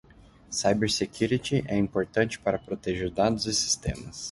Cybersecurity é importante para proteger dados e sistemas.